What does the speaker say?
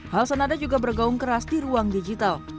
hal senada juga bergaung keras di ruang digital